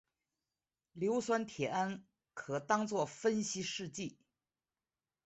硫酸铁铵可当作分析试剂。